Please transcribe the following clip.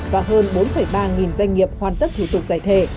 và hơn bốn ba nghìn doanh nghiệp hoàn tất thủ tục giải thể